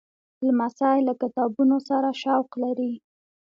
لمسی له کتابونو سره شوق لري.